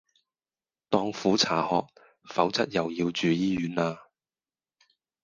當苦茶喝，否則又要住醫院啦